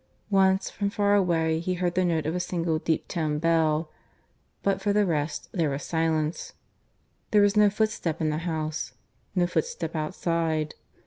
Once from far away he heard the note of a single deep toned bell; but, for the rest, there was silence. There was no footstep in the house, no footstep outside.